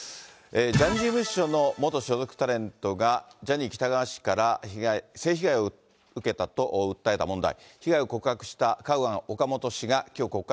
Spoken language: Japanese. ジャニーズ事務所の元所属タレントがジャニー喜多川氏から性被害を受けたと訴えた問題。